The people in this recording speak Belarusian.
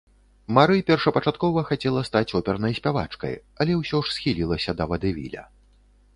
Мары першапачаткова хацела стаць опернай спявачкай, але ўсё ж схілілася да вадэвіля.